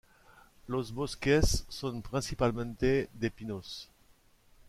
Los bosques son principalmente de pinos.